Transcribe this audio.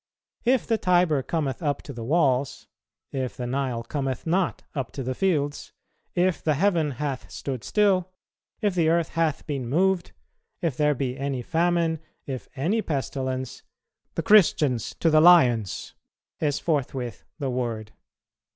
If the Tiber cometh up to the walls, if the Nile cometh not up to the fields, if the heaven hath stood still, if the earth hath been moved, if there be any famine, if any pestilence, 'The Christians to the lions' is forthwith the word."